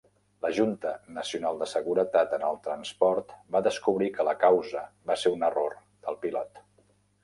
La Junta Nacional de Seguretat en el Transport va descobrir que la causa va ser un error del pilot.